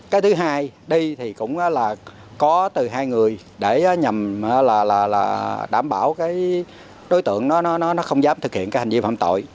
cái thứ hai đi thì cũng có từ hai người để nhằm đảm bảo đối tượng nó không dám thực hiện hành vi phạm tội